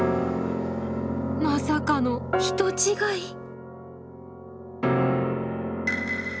まさかの人違い。